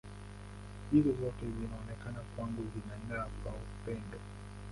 Hizo zote zinaonekana kwangu zinang’aa kwa upendo.